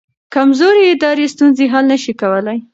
کمزوري ادارې ستونزې حل نه شي کولی.